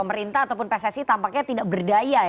pemerintah ataupun pssi tampaknya tidak berdaya ya